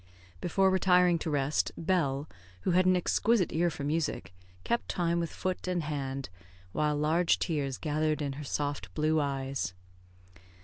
Before retiring to rest, Bell, who had an exquisite ear for music, kept time with foot and hand, while large tears gathered in her soft blue eyes.